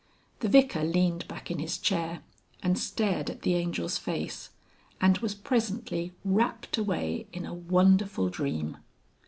The Vicar leaned back in his chair and stared at the Angel's face, and was presently rapt away in a wonderful dream.